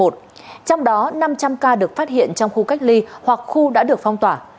trong đó năm trăm linh ca được phát hiện trong khu cách ly hoặc khu đã được phong tỏa